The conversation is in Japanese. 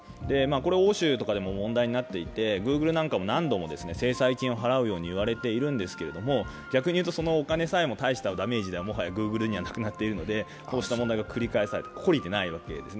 これ、欧州とかでも問題になっていてＧｏｏｇｌｅなども何度も制裁金を払うようにいわれているんですけど逆にそのお金さえも大したダメージではもはやＧｏｏｇｌｅにはなくなっているので、こうした問題が繰り返されて、懲りてないわけですね。